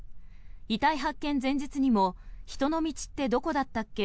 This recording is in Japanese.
遺体発見前日にも人の道ってどこだったっけ？